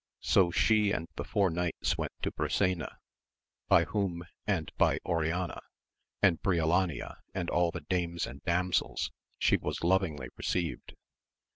So she and the four knights went to Brisena, by whom and by Oriana, and Brio lania, and all the dames and damsels, she was lovingly received.